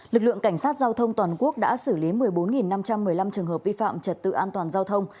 lực lượng cảnh sát giao thông toàn quốc đã xử lý một mươi bốn năm trăm một mươi năm trường hợp vi phạm trật tự an toàn giao thông